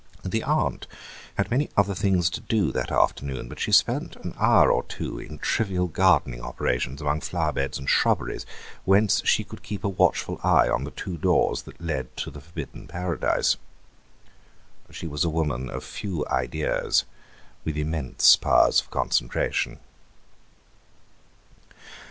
The aunt had many other things to do that afternoon, but she spent an hour or two in trivial gardening operations among flower beds and shrubberies, whence she could keep a watchful eye on the two doors that led to the forbidden paradise. She was a woman of few ideas, with immense powers of concentration.